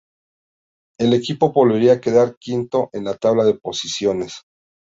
El equipo volvería a quedar quinto en la tabla de posiciones.